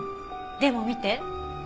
でも見て。